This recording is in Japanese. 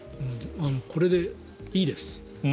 これでいいです。